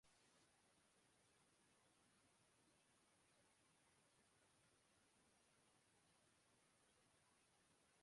এটি কমপক্ষে আট রকমের উৎসেচক সংশ্লেষণ বিক্রিয়ায় কো-ফ্যাক্টর হিসেবে কাজ করে।